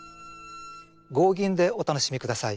合吟でお楽しみください。